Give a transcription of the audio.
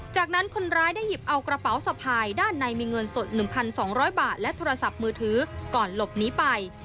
จากนั้นคนร้ายได้หยิบเอากระเป๋าสะพายด้านในมีเงินสด๑๒๐๐บาทและโทรศัพท์มือถือก่อนหลบหนีไป